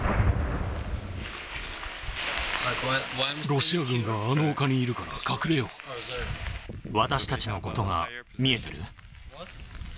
ロシア軍があの丘にいるから、私たちのことが見えてる？